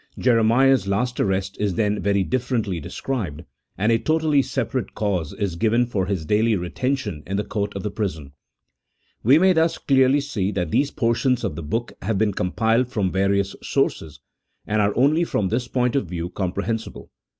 Jere miah's last arrest is then very differently described, and a totally separate cause is given for his daily retention in the court of the prison. We may thus clearly see that these portions of the book have been compiled from various sources, and are only from this point of view comprehensible.